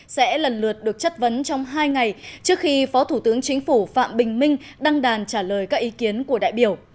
sẽ lần lượt được chất vấn trong hai ngày trước khi phó thủ tướng chính phủ phạm bình minh đăng đàn trả lời các ý kiến của đại biểu